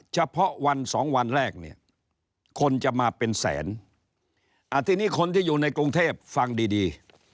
เฉพาะวันสองวันแรกเนี่ยคนจะมาเป็นแสนทีนี้คนที่อยู่ในกรุงเทพฟังดีดี